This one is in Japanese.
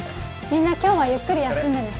みんな今日はゆっくり休んでね